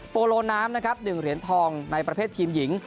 โปโลน้ำ๑เหรียญทองในประเภททีมหญิง